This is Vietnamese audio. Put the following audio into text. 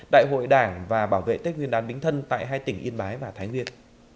đại hội đảng và bảo vệ tết nguyên đán bính thân tại hai tỉnh yên bái và thái nguyên